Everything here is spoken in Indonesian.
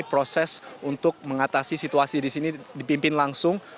proses untuk mengatasi situasi di sini dipimpin langsung